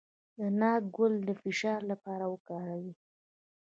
د ناک ګل د فشار لپاره وکاروئ